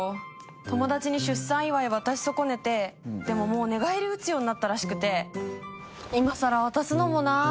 友達に出産祝い渡し損ねてでももう寝返りうつようになったらしくて今更渡すのもなって。